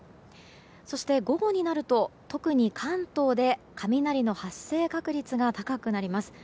そして午後になると、特に関東で雷の発生確率が高くなります。